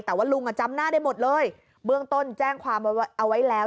แต่ว่าลุงอ่ะจำหน้าได้หมดเลยเบื้องต้นแจ้งความเอาไว้แล้ว